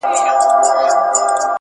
خدای ورکړي دوه زامن په یوه شپه وه,